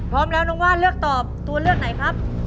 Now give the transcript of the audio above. พร้อมแล้วน้องว่านเลือกตอบตัวเลือกไหนครับ